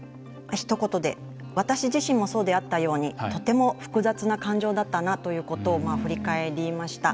ひと言で私自身もそうであったようにとても複雑な感情だったなということを振り返りました。